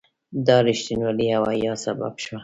دا رښتینولي او حیا سبب شوه.